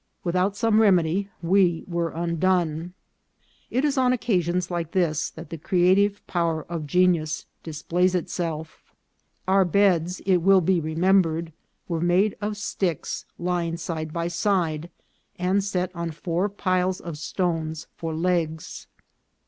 Without some remedy we were undone. It is on occasions like this that the creative powpr of genius displays itself. Our beds, it will be remembered, .were made of sticks lying side by side, and set on four piles of stones for legs.